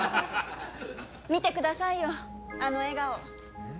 見てくださいよあの笑顔。